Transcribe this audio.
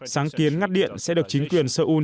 sáng kiến ngắt điện sẽ được chính quyền seoul